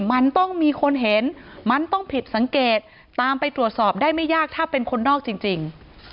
มันต้องมีคนเห็นมันต้องผิดสังเกตตามไปตรวจสอบได้ไม่ยากถ้าเป็นคนนอกจริง